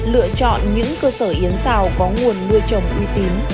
lựa chọn những cơ sở yến xào có nguồn nuôi trồng uy tín